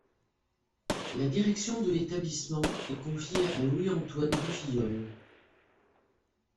La direction de l'établissement est confiée à Louis-Antoine Dufilhol.